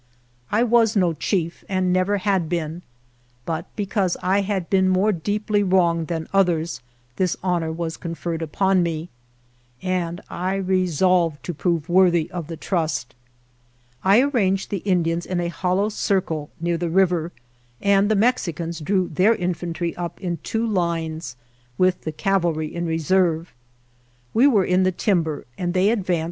I was no chief and never had been, but because I had been more deeply wronged than others, this honor was conferred upon me, and I resolved to prove worthy of the trust. I arranged the Indians in a hollow circle near the river, and the Mexicans drew their infantry up in two lines, with the cav alry in reserve.